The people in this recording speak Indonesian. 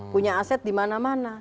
punya aset di mana mana